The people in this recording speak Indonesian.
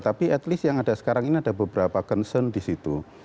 tapi at least yang ada sekarang ini ada beberapa concern di situ